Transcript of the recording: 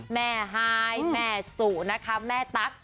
แม่ไฮแม่สุแม่ตั๊ก